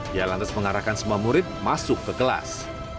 dia lantas mengarahkan semua murid masuk ke kelas